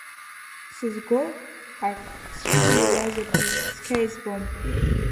Сызго ак сшәырыҩуазаргьы цқьа избом.